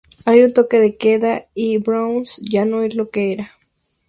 Hay un toque de queda y el Bronze ya no es lo que era.